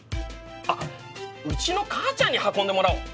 あっうちの母ちゃんに運んでもらおう！